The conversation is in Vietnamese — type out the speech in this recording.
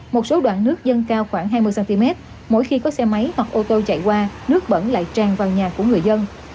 một số đoạn nước dâng cao khoảng hai mươi cm mỗi khi có xe máy hoặc ô tô chạy qua nước bẩn lại tràn vào nhà của người dân